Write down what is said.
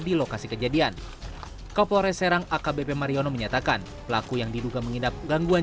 di lokasi kejadian kapolres serang akbp mariono menyatakan pelaku yang diduga mengidap gangguan